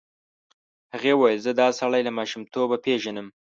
هغې وویل زه دا سړی له ماشومتوبه پېژنم.